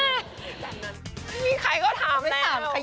ไม่มีใครเขาถามไม่ถาม